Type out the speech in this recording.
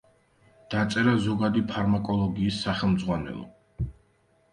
დაწერა ზოგადი ფარმაკოლოგიის სახელმძღვანელო.